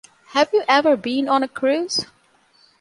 Have you ever been on a cruise?